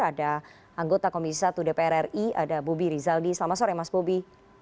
ada anggota komisi satu dpr ri ada bobi rizaldi selamat sore mas bobi